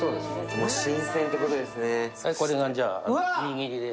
新鮮ってことですね。